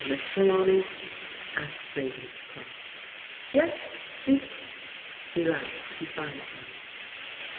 Miss Trelawney ?" isked Ravenscroft Yes, speak," she laughed defiantly.